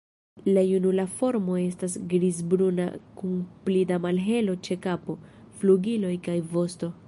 La junula formo estas griz-bruna kun pli da malhelo ĉe kapo, flugiloj kaj vosto.